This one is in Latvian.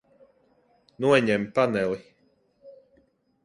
Noņem paneli.